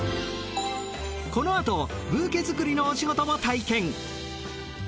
このあとブーケ作りのお仕事も体験。